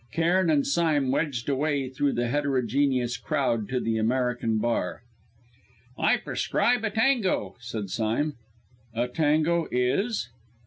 Cairn and Sime wedged a way through the heterogeneous crowd to the American Bar. "I prescribe a 'tango,'" said Sime. "A 'tango' is